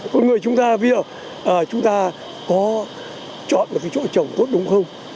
con người chúng ta ví dụ chúng ta có chọn một chỗ trồng tốt đúng không